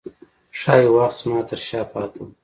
ښايي وخت زما ترشا پاته و